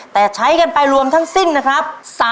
แต่ใช้กันไปรวมทั้งสิ้นนะครับ